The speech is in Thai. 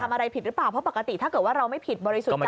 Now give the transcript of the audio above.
อะไรผิดหรือเปล่าเพราะปกติถ้าเกิดว่าเราไม่ผิดบริสุทธิ์ใจ